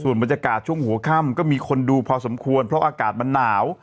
บรรยากาศช่วงหัวค่ำก็มีคนดูพอสมควรเพราะอากาศมันหนาว